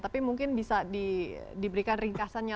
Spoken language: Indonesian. tapi mungkin bisa diberikan ringkasannya